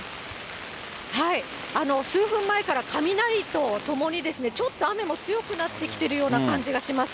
数分前から雷とともにですね、ちょっと雨も強くなってきてるような感じがします。